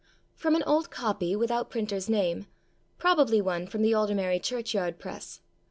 [FROM an old copy, without printer's name; probably one from the Aldermary Church yard press.